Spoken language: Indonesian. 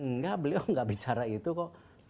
enggak beliau enggak bicara itu kok